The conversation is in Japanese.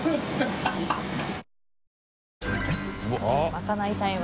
まかないタイム。